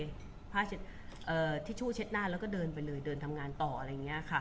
ผ้าเช็ดทิชชู่เช็ดหน้าแล้วก็เดินไปเลยเดินทำงานต่ออะไรอย่างนี้ค่ะ